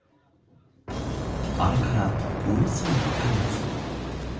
あれから、およそ２カ月。